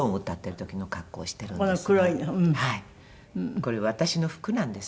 これ私の服なんです。